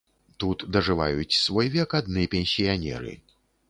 Тут дажываюць свой век адны пенсіянеры.